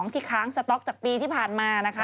ที่ค้างสต๊อกจากปีที่ผ่านมานะคะ